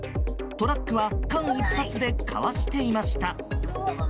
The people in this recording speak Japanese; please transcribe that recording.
トラックは間一髪でかわしていました。